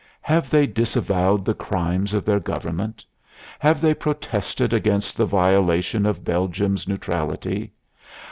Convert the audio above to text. Have they disavowed the ... crimes of their government? Have they protested against the violation of Belgium's neutrality?